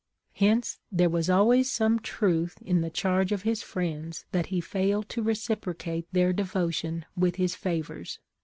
Hence, there was always some truth in the charge of his friends that he failed to reciprocate their devotion with his favors.